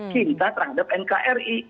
cinta terhadap nkri